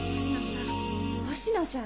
星野さん。